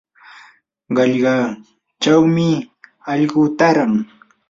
qallqachawmi aylluu taaran.